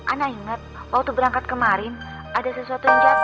anda ingat waktu berangkat kemarin ada sesuatu yang jatuh